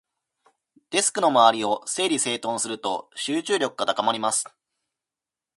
デスクの周りを整理整頓すると、集中力が高まります。